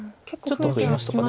ちょっと増えましたか